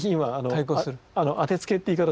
「当てつけ」って言い方